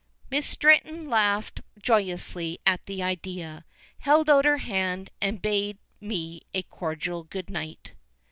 Miss Stretton laughed joyously at the idea, held out her hand, and bade me a cordial good night.